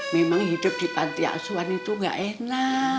memang hidup di panti asuhan itu gak enak